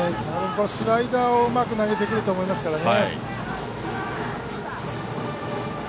スライダーをうまく投げてくると思いますからね。